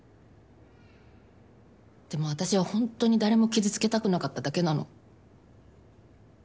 でも私はホントに誰も傷つけたくなかっただけなの。